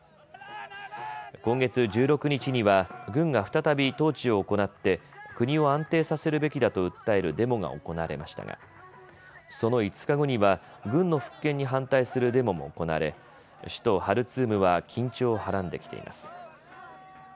今月１６日には軍が再び統治を行って国を安定させるべきだと訴えるデモが行われましたがその５日後には軍の復権に反対するデモも行われ首都ハルツームは緊張をはらんできています。